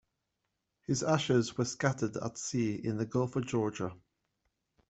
His ashes were scattered at sea in the Gulf of Georgia.